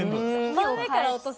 真上から落とす。